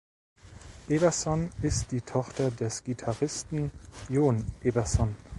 Eberson ist die Tochter des Gitarristen Jon Eberson.